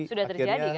sudah terjadi kan